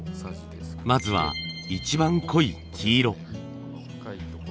まずは一番濃い黄色。